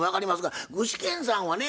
具志堅さんはね